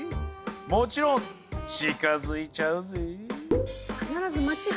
もちろん近づいちゃうぜ。